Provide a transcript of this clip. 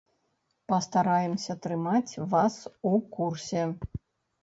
Пастараемся трымаць вас у курсе.